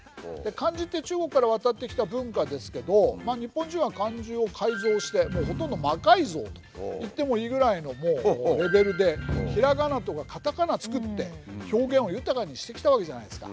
漢字って中国から渡ってきた文化ですけど日本人は漢字を改造してほとんど魔改造と言ってもいいぐらいのレベルで平仮名とか片仮名作って表現を豊かにしてきたわけじゃないですか。